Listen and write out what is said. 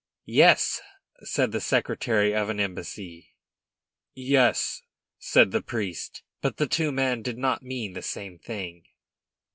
"Yes!" said the secretary of an embassy. "Yes!" said the priest. But the two men did not mean the same thing.